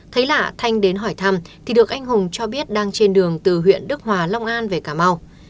thấy lạ thanh đến hỏi thăm thì được anh hùng cho biết đang trên đường từ huyện đức hòa long an về cà mau